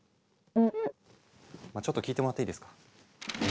まちょっと聞いてもらっていいですか？